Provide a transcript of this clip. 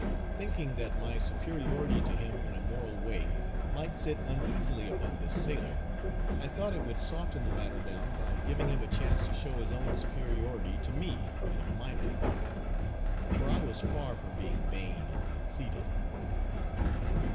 Thinking that my superiority to him in a moral way might sit uneasily upon this sailor, I thought it would soften the matter down by giving him a chance to show his own superiority to me, in a minor thing; for I was far from being vain and conceited.